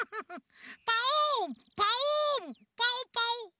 パオンパオンパオパオ。